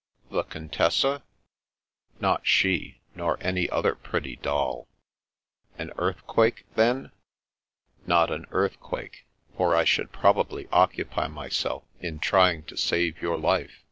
"TheContessa?'' " Not she, nor any other pretty doll/* " An earthquake, then ?"" Nor an earthquake : for I should probably oc cupy myself in trying to save your life.